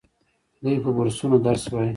دوی په بورسونو درس وايي.